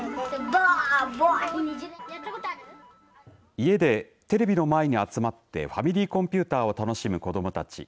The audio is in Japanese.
家でテレビの前に集まってファミリーコンピュータを楽しむ子どもたち。